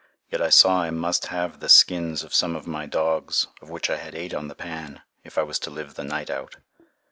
Yet I saw I must have the skins of some of my dogs, of which I had eight on the pan, if I was to live the night out.